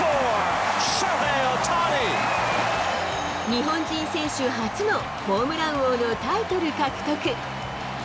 日本人選手初のホームラン王のタイトル獲得。